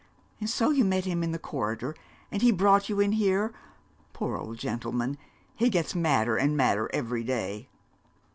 And so you met him in the corridor, and he brought you in here. Poor old gentleman! He gets madder and madder every day.'